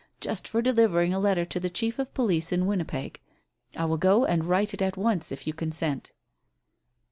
Just for delivering a letter to the chief of police in Winnipeg. I will go and write it at once if you consent."